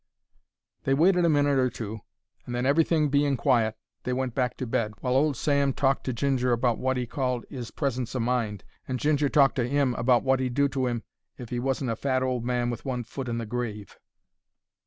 They waited a minute or two, and then, everything being quiet, they went back to bed, while old Sam talked to Ginger about wot 'e called 'is "presence o' mind," and Ginger talked to 'im about wot he'd do to 'im if 'e wasn't a fat old man with one foot in the grave.